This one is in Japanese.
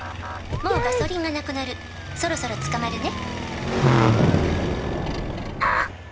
「もうガソリンがなくなるそろそろ捕まるね」